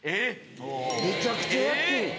・むちゃくちゃやってるやん・